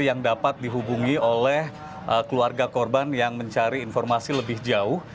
yang dapat dihubungi oleh keluarga korban yang mencari informasi lebih jauh